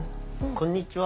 こんにちは。